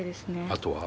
あとは？